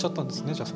じゃあ。